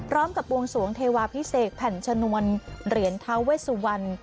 กับบวงสวงเทวาพิเศษแผ่นชนวนเหรียญท้าเวสุวรรณ